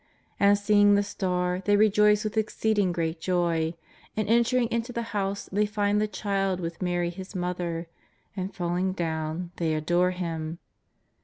And, seeing the star, they rejoice with exceeding great joy. And entering into the house they find the Child with Mary His Mother, and, falling down, they adore Him.